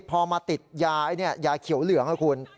พอมาติดยาไอ้นี่ยาเขียวเหลืองครับคุณ